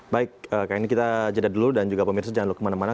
baik kayaknya kita jeda dulu dan juga pemirsa jangan kemana mana